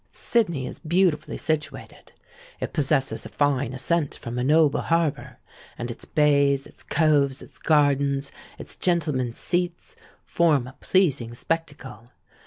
"Sydney is beautifully situated. It possesses a fine ascent from a noble harbour; and its bays, its coves, its gardens, its gentlemen's seats, form a pleasing spectacle.